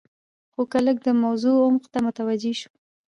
خو که لږ د موضوع عمق ته متوجې شو.